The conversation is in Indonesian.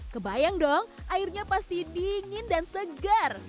kebayang dong airnya pasti dingin dan segar